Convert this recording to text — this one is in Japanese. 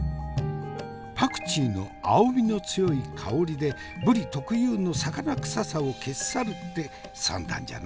パクチーの青みの強い香りでぶり特有の魚臭さを消し去るって算段じゃな。